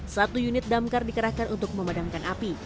satu unit damkar dikerahkan untuk memadamkan api